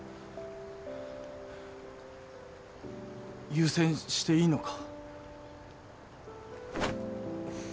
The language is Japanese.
優先していいのか？